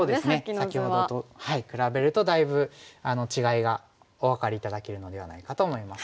先ほどと比べるとだいぶ違いがお分かり頂けるのではないかと思います。